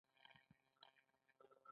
ځمکه کوه قاف محاصره کې انګېري.